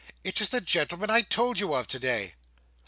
"It is the gentleman I told you of, today!"